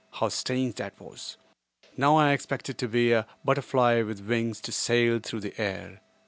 How strange that was! Now I expected to be a butterfly with wings to sail through the air.